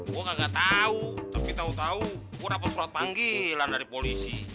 gue gak tau tapi tau tau gue dapet surat panggilan dari polisi